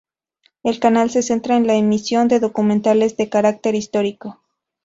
El canal se centra en la emisión de documentales de carácter histórico.